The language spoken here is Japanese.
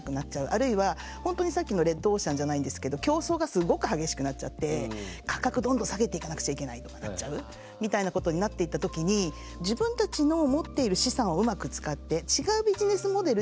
あるいはホントにさっきのレッドオーシャンじゃないんですけど競争がすっごく激しくなっちゃって価格どんどん下げていかなくちゃいけないとかなっちゃうみたいなことになっていった時にバスケでも使うあの